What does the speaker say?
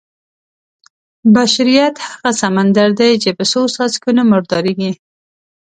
بشریت هغه سمندر دی چې په څو څاڅکو نه مردارېږي.